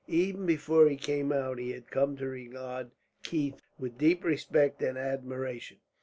Even before he came out, he had come to regard Keith with deep respect and admiration.